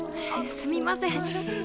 すみません。